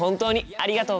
ありがとう！